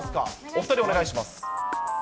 お２人お願いします。